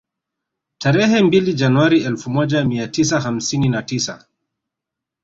Tarehe mbili Januari elfu moja mia tisa hamsini na tisa